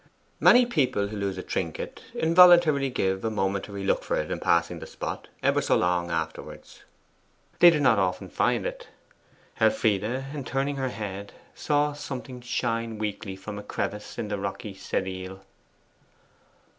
Many people who lose a trinket involuntarily give a momentary look for it in passing the spot ever so long afterwards. They do not often find it. Elfride, in turning her head, saw something shine weakly from a crevice in the rocky sedile.